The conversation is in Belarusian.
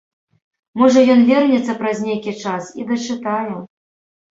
Можа ён вернецца праз нейкі час і дачытае.